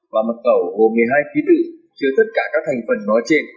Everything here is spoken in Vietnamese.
và mật khẩu hồ một mươi hai ký tự chứa tất cả các thành phần nó trên